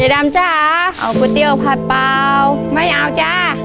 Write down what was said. ดำจ๋าเอาก๋วยเตี๋ยวผัดเปล่าไม่เอาจ้า